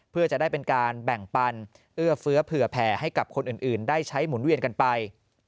เพื่อจะได้เป็นการแบ่งปันเอื้อเฟื้อเผื่อแผ่ให้กับคนอื่นได้ใช้หมุนเวียนกันไป